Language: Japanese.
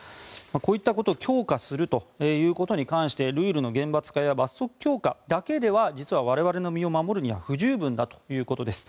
こういったことを強化するということに関してルールの厳罰化や罰則強化だけでは実は我々の身を守るには不十分だということです。